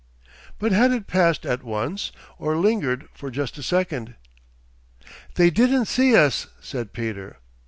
But had it passed at once or lingered for just a second? 'They didn't see us,' said Peter.